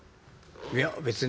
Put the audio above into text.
いや別に。